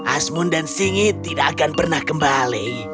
asmun dan singi tidak akan pernah kembali